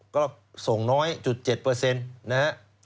ก็ส่งน้อย๗นะฮะ